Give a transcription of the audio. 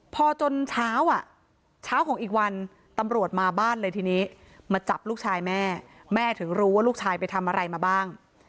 พอจนเช้าอ่ะเช้าของอีกวันตำรวจมาบ้านเลยทีนี้มาจับลูกชายแม่แม่ถึงรู้ว่าลูกชายไปทำอะไรมาบ้าง